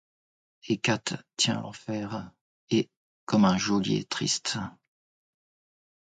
Hécate tient l’enfer, et, comme un geôlier triste